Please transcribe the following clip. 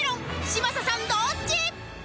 嶋佐さんどっち？